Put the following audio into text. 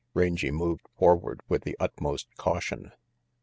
Rangy moved forward with the utmost caution.